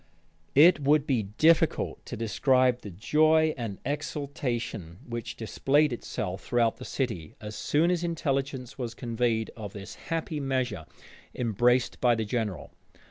It would be difficult to describe the joy and exultation which displayed itself throughout the city, as soon as intelligence was conveyed of this happy measure embraced by the general.